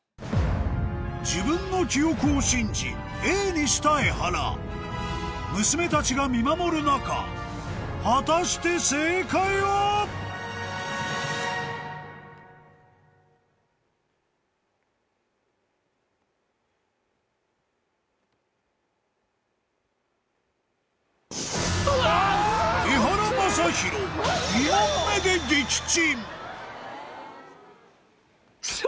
自分の記憶を信じＡにしたエハラ娘たちが見守る中果たして正解は⁉エハラマサヒロ２問目で撃沈